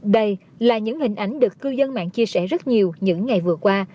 đây là những hình ảnh được cư dân mạng chia sẻ rất nhiều những ngày vừa qua